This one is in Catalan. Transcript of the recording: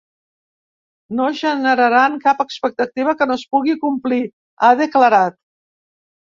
No generaran cap expectativa que no es pugui complir, ha declarat.